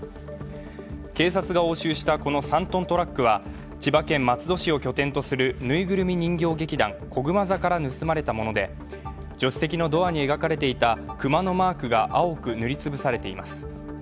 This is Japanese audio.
警察が押収したこの３ｔトラックは千葉県松戸市を拠点とするぬいぐるみ人形劇団、こぐま座から盗まれたもので、助手席のドアに描かれていた熊のマークが青く塗りつぶされています。